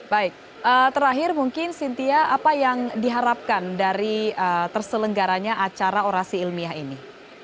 baik terakhir mungkin sintia apa yang diharapkan dari terselenggaranya acara orasi ilmiah ini